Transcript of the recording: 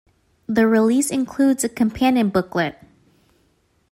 The release includes a companion booklet.